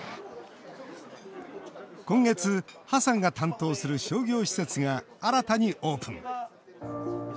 今月、河さんが担当する商業施設が新たにオープン。